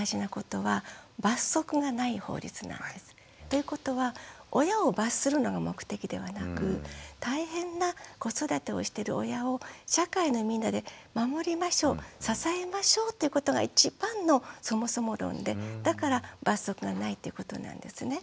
ということは親を罰するのが目的ではなく大変な子育てをしてる親を社会のみんなで守りましょう支えましょうっていうことが一番のそもそも論でだから罰則がないってことなんですね。